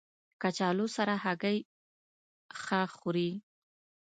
کچالو سره هګۍ ښه خوري